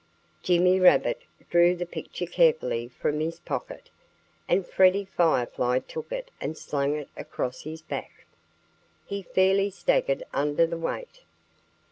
Jimmy Rabbit drew the picture carefully from his pocket. And Freddie Firefly took it and slung it across his back. He fairly staggered under the weight.